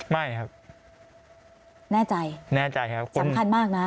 ไม่ครับแน่ใจแน่ใจครับสำคัญมากนะ